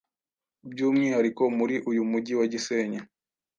by’umwihariko muri uyu mujyi wa Gisenyi